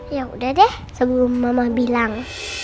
ya udah deh sebelum mama bilang